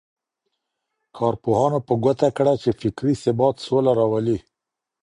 کارپوهانو په ګوته کړه چي فکري ثبات سوله راولي.